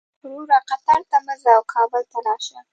وروره قطر ته مه ځه او کابل ته راشه.